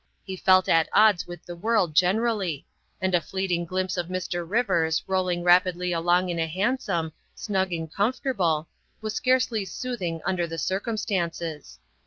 He felt at odds with the world generally, and a fleeting glimpse of Mr. Rivers rolling rapidly along in a hansom, snug and comfortable, was scarcely soothing under the circumstances.